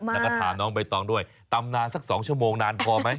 แล้วก็ถามน้องใบตองด้วยตำนานสัก๒ชั่วโมงนานพอไหม